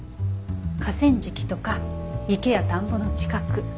河川敷とか池や田んぼの近く。